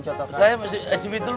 saya aja yang mencotokkan